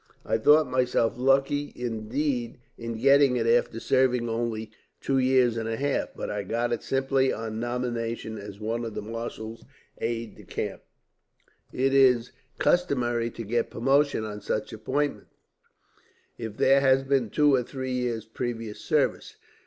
I thought myself lucky, indeed, in getting it after serving only two years and a half; but I got it simply on nomination as one of the marshal's aides de camp. It is customary to get promotion, on such appointment, if there has been two or three years' previous service.